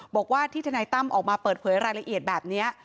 บอกว่าที่ทนายตั้มออกมาเปิดเผยรายละเอียดแบบนี้